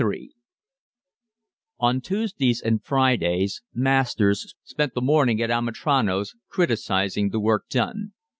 XLIII On Tuesdays and Fridays masters spent the morning at Amitrano's, criticising the work done.